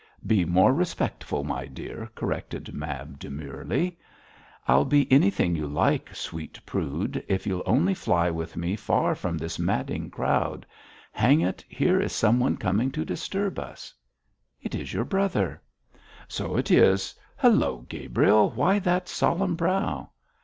'Be more respectful, my dear,' corrected Mab, demurely. 'I'll be anything you like, sweet prude, if you'll only fly with me far from this madding crowd. Hang it! here is someone coming to disturb us.' 'It is your brother.' 'So it is. Hullo, Gabriel, why that solemn brow?'